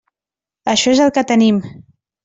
Això és el que tenim.